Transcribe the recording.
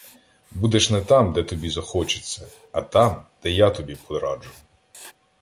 Будеш не там, де тобі захочеться, а там, де я тобі пораджу.